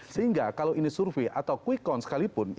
sehingga kalau ini survei atau quick count sekalipun